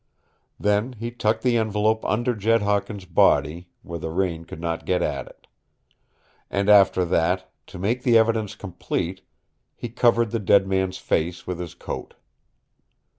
Then he tucked the envelope under Jed Hawkins' body, where the rain could not get at it. And after that, to make the evidence complete, he covered the dead man's face with his coat.